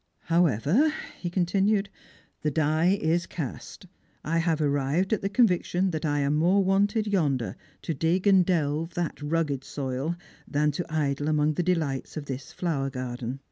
" However," he continued, "the die is cast. I have arrived at the conviction that I am more wanted yonder, to dig and dtlve that rugged soil, than to idle among the delights of this flower garden.